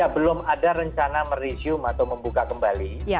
belum ada rencana meresume atau membuka kembali